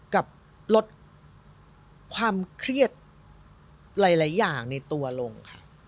กับลดความเครียดหลายอย่างในตัวลงค่ะ